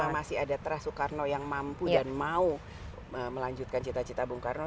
masih ada teras soekarno yang mampu dan mau melanjutkan cita cita bung karno